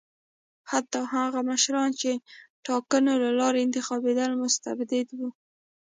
حتی هغه مشران چې ټاکنو له لارې انتخابېدل مستبد وو.